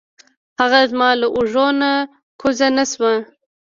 هغه زما له اوږو نه کوز نه شو.